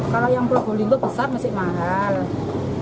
kalau yang probolinggo besar masih mahal